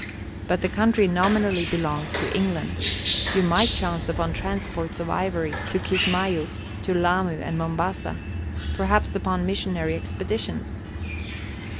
But the country nominally belongs to England. You might chance upon transports of ivory to Kismayu, to Lamu and Mombasa perhaps upon missionary expeditions.